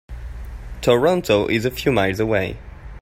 Toronto is a few miles away.